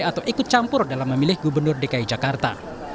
atau ikut campur dalam memilih gubernur dki jakarta